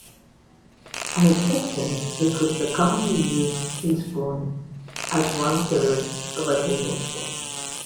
An exception is with the commonly used teaspoon as one-third of a tablespoon.